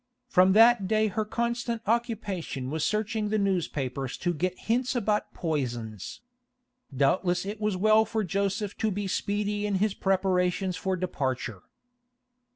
From that day her constant occupation was searching the newspapers to get hints about poisons. Doubtless it was as well for Joseph to be speedy in his preparations for departure.